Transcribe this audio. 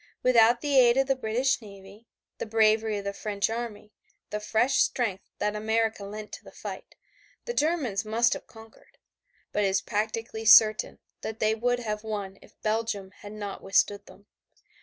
Without the aid of the British navy, the bravery of the French army, the fresh strength that America lent to the fight, the Germans must have conquered. But it is practically certain that they would have won if Belgium had not withstood them.